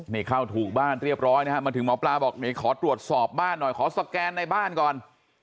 นี่เข้าถูกบ้านเรียบร้อยนะฮะมาถึงหมอปลาบอกไหนขอตรวจสอบบ้านหน่อยขอสแกนในบ้านก่อน